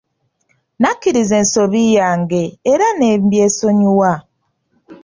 Nakkiriza ensobi yange era ne mbyesonyiwa.